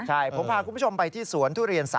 ห้าุผมพอมาที่สวนทุเรียน